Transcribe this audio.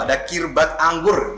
ada kirbat anggur